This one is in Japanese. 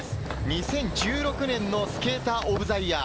２０１１年のスケーター・オブ・ザ・イヤー。